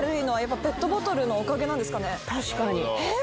確かに。